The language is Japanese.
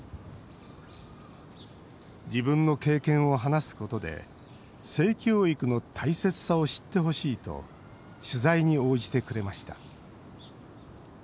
自分の経験を話すことで性教育の大切さを知ってほしいと取材に応じてくれました。